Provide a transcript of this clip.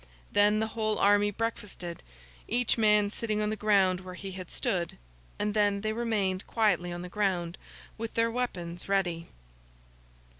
Then the whole army breakfasted, each man sitting on the ground where he had stood; and then they remained quietly on the ground with their weapons ready.